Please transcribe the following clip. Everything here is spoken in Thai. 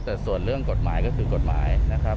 แต่ส่วนเรื่องกฎหมายก็คือกฎหมายนะครับ